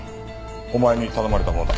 お前に頼まれたものだ。